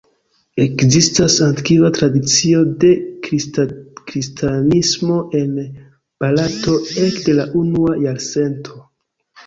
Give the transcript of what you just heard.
Ekzistas antikva tradicio de kristanismo en Barato ekde la unua jarcento.